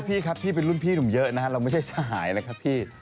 พี่ครับพี่เป็นรุ่นพี่หนุ่มเยอะนะครับเราไม่ใช่สหายเลยครับพี่